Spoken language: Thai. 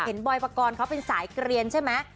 บอยปกรณ์เขาเป็นสายเกลียนใช่ไหม